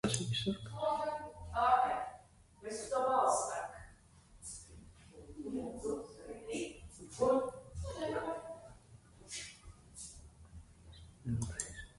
Tik daudz izmisuma, baiļu un bezcerības baidoties no ļaunākā, pārdzīvi Silvija un Žanna.